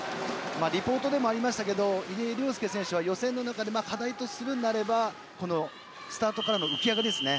リポートでもありましたが入江陵介選手は課題があるとすればこのスタートからの浮き上がりですね。